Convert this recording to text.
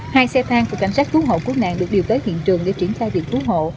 hai xe thang của cảnh sát cứu hộ cứu nạn được điều tới hiện trường để triển khai việc cứu hộ